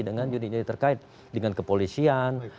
dengan unit unit terkait dengan kepolisian